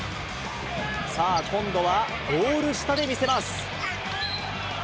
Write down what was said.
さあ、今度はゴール下で見せます。